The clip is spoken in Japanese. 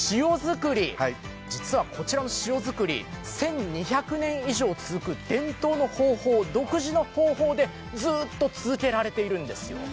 実はこちらの塩作り、１２００年以上続く伝統の方法、独自の方法でずっと続けられているんですよ。